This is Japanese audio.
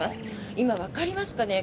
今、わかりますかね？